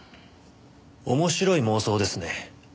面白い妄想ですね。